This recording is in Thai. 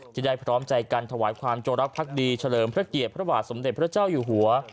ที่ได้พร้อมใจกันถวายความจงรักภักดีเฉลิมพระเกียรติพระบาทสมเด็จพระเจ้าอยู่หัว